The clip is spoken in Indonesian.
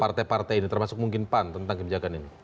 partai partai ini termasuk mungkin pan tentang kebijakan ini